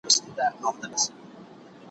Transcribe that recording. بل به څوك وي زما په شان داسي غښتلى